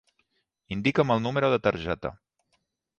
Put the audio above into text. Indica'm el número de targeta.